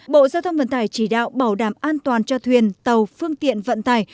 bộ giao thông vận tải chỉ đạo bảo đảm an toàn cho thuyền tàu phương tiện vận tải